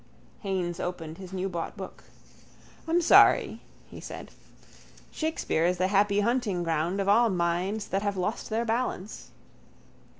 _ Haines opened his newbought book. —I'm sorry, he said. Shakespeare is the happy huntingground of all minds that have lost their balance.